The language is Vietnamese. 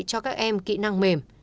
cho các em kỹ năng mềm